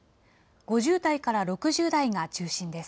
５０代から６０代が中心です。